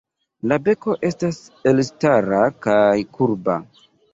La beko estas elstara kaj kurba.